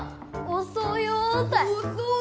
おそよう！